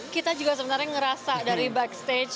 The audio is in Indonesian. kita juga sebenarnya ngerasa dari backstage